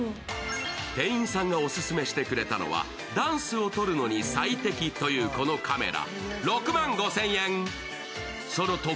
店員さんがオススメしてくれたのは、ダンスを撮るとき最適というこのカメラ。